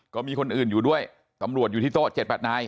ก็มีคนอื่นอยู่ด้วยตำรวจอยู่ที่โต๊ะ๗๘นาย